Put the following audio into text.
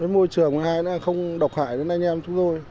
môi trường này không độc hại đến anh em chúng tôi